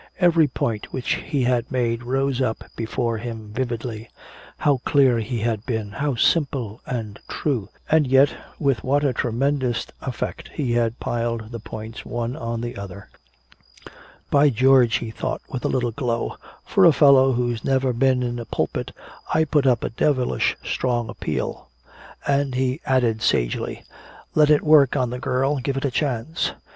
Every point which he had made rose up before him vividly. How clear he had been, how simple and true, and yet with what a tremendous effect he had piled the points one on the other. "By George," he thought with a little glow, "for a fellow who's never been in a pulpit I put up a devilish strong appeal." And he added sagely, "Let it work on the girl, give it a chance.